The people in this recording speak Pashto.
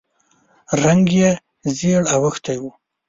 رنګ یې ژېړ اوښتی و.